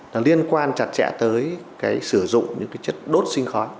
là liên quan chặt chẽ tới cái sử dụng những cái chất đốt sinh khói